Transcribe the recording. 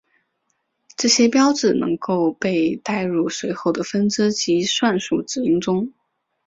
这些标志能够被带入随后的分支及算术指令中。